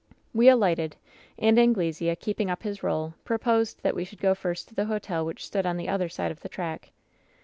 "We alighted, and Anglesea, keeping up his role, pro* posed that we should go first to the hotel which stood on the other side of the track.